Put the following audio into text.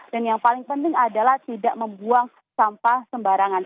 yang paling penting adalah tidak membuang sampah sembarangan